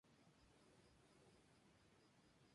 Hoy en día reside en la capital misionera, Posadas.